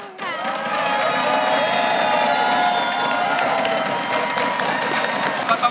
ขอบคุณค่ะ